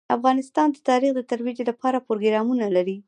افغانستان د تاریخ د ترویج لپاره پروګرامونه لري.